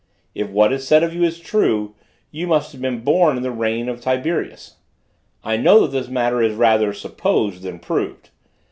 If what is said of you is true, you must have been born in the reign of Tiberius. I know that this matter is rather supposed than proved.